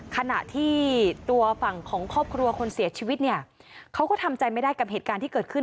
ขณะที่ตัวฝั่งของครอบครัวคนเสียชีวิตเนี่ยเขาก็ทำใจไม่ได้กับเหตุการณ์ที่เกิดขึ้น